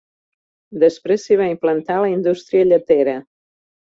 Després s'hi va implantar la indústria lletera.